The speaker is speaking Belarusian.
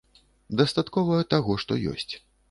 Дастаткова таго, што ёсць.